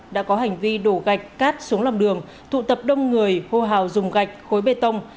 đã có hành vi đổ gạch cát xuống lòng đường tụ tập đông người hô hào dùng gạch khối bê tông